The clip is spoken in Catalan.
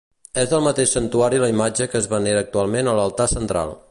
És del mateix santuari la imatge que es venera actualment a l'altar central.